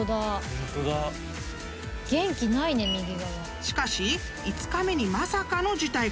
［しかし５日目にまさかの事態が］